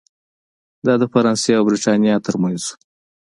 دا د فرانسې او برېټانیا ترمنځ و.